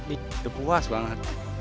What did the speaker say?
udah puas banget